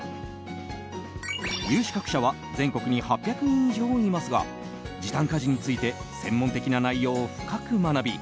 有資格者は全国に８００人以上いますが時短家事について専門的な内容を深く学び